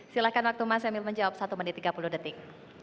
silahkan waktu mas emil menjawab satu menit tiga puluh detik